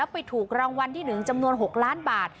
ไปถูกรางวัลที่๑จำนวน๖ล้านบาท